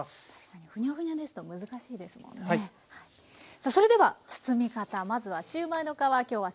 さあそれでは包み方。